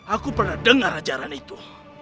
aku pernah dengar ajaran itu